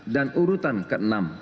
dan urutan ke enam